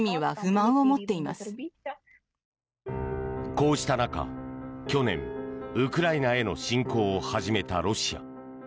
こうした中、去年ウクライナへの侵攻を始めたロシア。